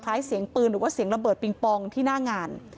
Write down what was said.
เสียงปืนหรือว่าเสียงระเบิดปิงปองที่หน้างาน